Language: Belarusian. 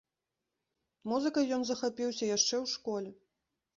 Музыкай ён захапіўся яшчэ ў школе.